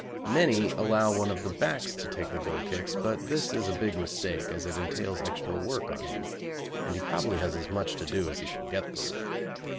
Many allow one of the backs to take the goal kicks, but this is a big mistake, as it entails extra work on him, and he probably has as much to do as he can get through.